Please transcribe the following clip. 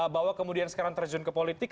bahwa kemudian sekarang terjun ke politik